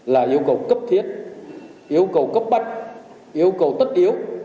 là yêu cầu cấp thiết yêu cầu cấp bách yêu cầu tất yếu